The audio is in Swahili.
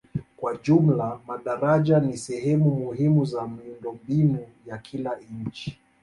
Kwa jumla madaraja ni sehemu muhimu za miundombinu ya kila nchi.